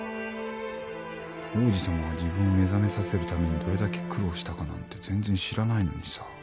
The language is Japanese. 王子さまが自分を目覚めさせるためにどれだけ苦労したかなんて全然知らないのにさ